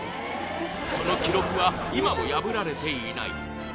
その記録は今も破られていない